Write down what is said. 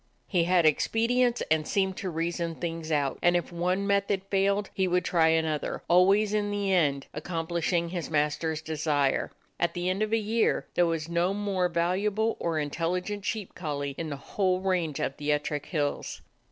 He had expedients and seemed to reason things out ; and if one method failed, he would try another, always in the end accomplishing his master's desire. At the end of a year there was no more valuable or intelligent sheep collie in the whole range of the Ettrick Hills.